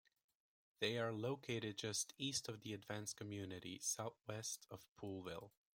They are located just east of the Advance community, southwest of Poolville.